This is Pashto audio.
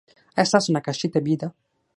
ایا ستاسو نقاشي طبیعي ده؟